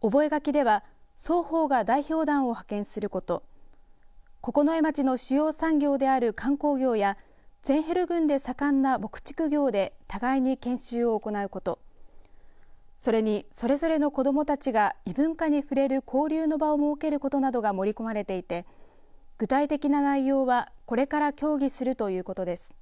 覚書では双方が代表団を派遣すること九重町の主要産業である観光業やツェンヘル郡で盛んな牧畜業で互いに研修を行うことそれに、それぞれの子どもたちが異文化に触れる交流の場を設けることなどが盛り込まれていて具体的な内容はこれから協議するということです。